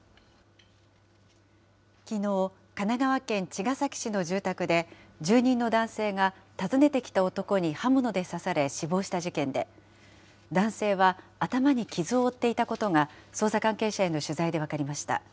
きのう、神奈川県茅ヶ崎市の住宅で、住人の男性が訪ねてきた男に刃物で刺され、死亡した事件で、男性は頭に傷を負っていたことが、捜査関係者への取材で分かりました。